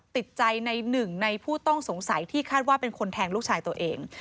ติดใจในหนึ่งในผู้ต้องสงสัยที่คาดว่าเป็นคนแทงลูกชายตัวเอง